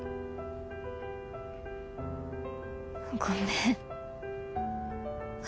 ごめん私。